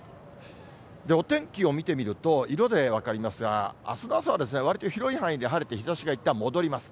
お天気を見てみると、色で分かりますが、あすの朝はわりと広い範囲で晴れて、日ざしがいったん戻ります。